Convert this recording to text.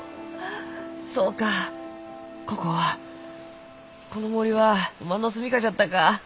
そうかここはこの森はおまんの住みかじゃったか。